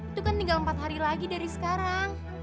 itu kan tinggal empat hari lagi dari sekarang